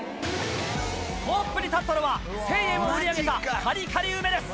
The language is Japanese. トップに立ったのは、１０００円を売り上げたカリカリ梅です。